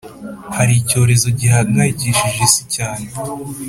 hari icyorezo gihangayikishije isi cyane